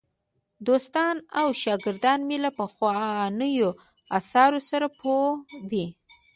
دوستان او شاګردان مې له پخوانیو آثارو سره پوه دي.